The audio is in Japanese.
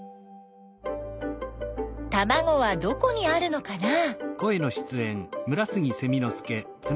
たまごはどこにあるのかなあ。